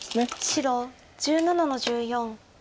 白１７の十四。